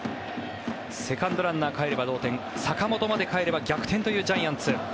セカンドランナーかえれば同点坂本までかえれば逆転というジャイアンツ。